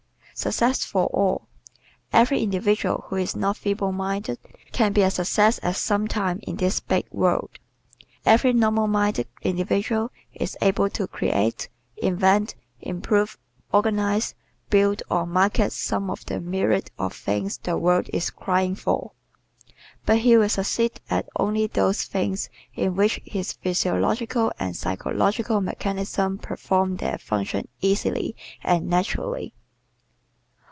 Success for All ¶ Every individual who is not feeble minded can be a success at something in this big world. Every normal minded individual is able to create, invent, improve, organize, build or market some of the myriads of things the world is crying for. But he will succeed at only those things in which his physiological and psychological mechanisms perform their functions easily and naturally.